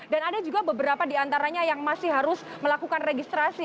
dan ada juga beberapa di antaranya yang masih harus melakukan registrasi